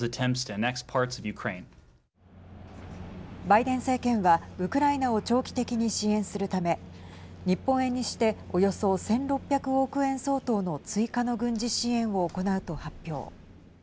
バイデン政権は、ウクライナを長期的に支援するため日本円にしておよそ１６００億円相当の追加の軍事支援を行うと発表。